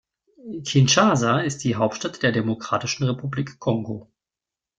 Kinshasa ist die Hauptstadt der Demokratischen Republik Kongo.